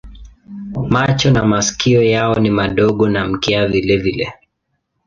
Macho na masikio yao ni madogo na mkia vilevile.